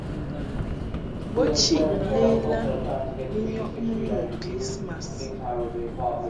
Bo chiʼ lela ni nyɔʼmɨ ŋu kɨlismas.